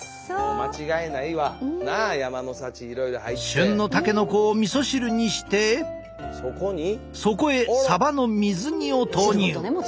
旬のたけのこをみそ汁にしてそこへサバの水煮を投入。